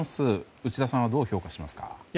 内田さんはどう評価しますか。